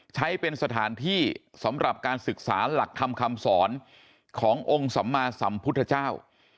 ใช้เป็นสถานที่สำหรับการศึกษาหลักธรรมคำสอนขององค์สัมมาสัมพุทธเจ้า